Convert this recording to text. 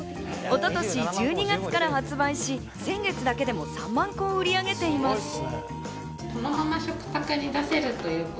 一昨年１２月から発売し、先月だけでも３万個を売り上げています。